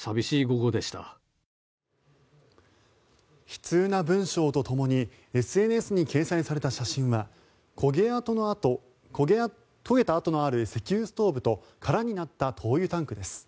悲痛な文章とともにＳＮＳに掲載された写真は焦げた跡のある石油ストーブと空になった灯油タンクです。